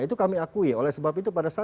itu kami akui oleh sebab itu pada saat